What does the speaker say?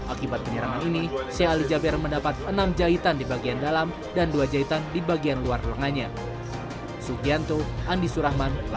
akibat penyerangan ini sheikh ali jaber mendapat enam jahitan di bagian dalam dan dua jahitan di bagian luar lengannya